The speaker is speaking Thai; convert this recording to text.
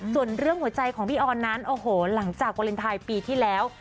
ส่วนเรื่องหัวใจของพี่ออนนั้นโอ้โหหลังจากวาเลนไทยปีที่แล้ว